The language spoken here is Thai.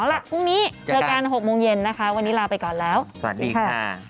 เอาล่ะพรุ่งนี้เจอกัน๖โมงเย็นนะคะวันนี้ลาไปก่อนแล้วสวัสดีค่ะ